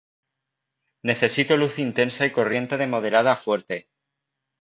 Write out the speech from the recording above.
Necesita luz intensa y corriente de moderada a fuerte.